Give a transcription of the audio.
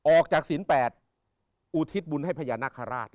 ออกจากศีล๘อุทิศบุญให้พญานาคคราช